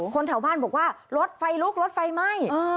คนแถวบ้านบอกว่ารถไฟลุกรถไฟไหม้